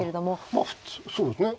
まあそうですね